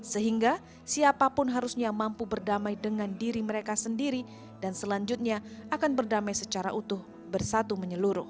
sehingga siapapun harusnya mampu berdamai dengan diri mereka sendiri dan selanjutnya akan berdamai secara utuh bersatu menyeluruh